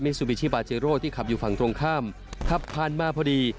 ซูบิชิบาเจโร่ที่ขับอยู่ฝั่งตรงข้ามขับผ่านมาพอดี